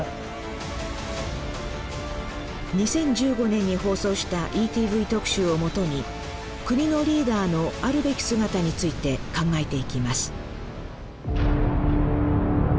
２０１５年に放送した「ＥＴＶ特集」をもとに国のリーダーのあるべき姿について考えていきます